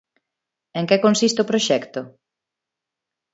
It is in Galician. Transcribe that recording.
En que consiste o proxecto?